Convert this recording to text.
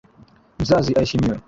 Mzazi aheshimiwe.